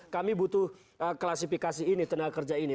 kami butuh klasifikasi ini tenaga kerja ini